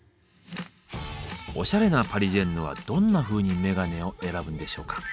おしゃれなパリジェンヌはどんなふうにメガネを選ぶんでしょうか。